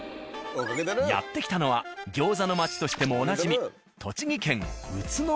やって来たのは餃子の町としてもおなじみ